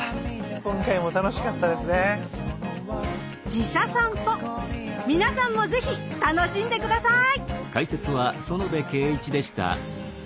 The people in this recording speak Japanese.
寺社さんぽ皆さんも是非楽しんで下さい。